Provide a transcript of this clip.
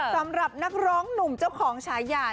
สำหรับนักร้องหนุ่มเจ้าของฉายา